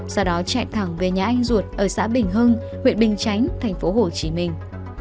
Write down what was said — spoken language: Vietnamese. sau đó chạy thẳng về nhà anh ruột ở xã bình hưng huyện bình chánh thành phố hồ chí minh